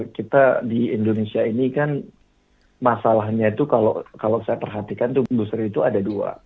kita di indonesia ini kan masalahnya itu kalau saya perhatikan itu industri itu ada dua